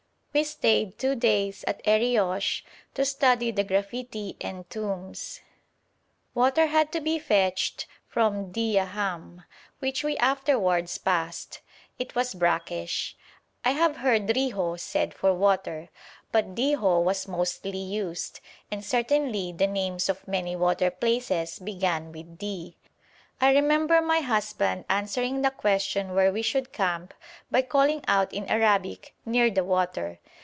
We stayed two days at Eriosh to study the graffiti and tombs. Water had to be fetched from Diahàmm, which we afterwards passed. It was brackish. I have heard riho said for water, but diho was mostly used, and certainly the names of many water places began with Di. I remember my husband answering the question where we should camp by calling out in Arabic 'Near the water.'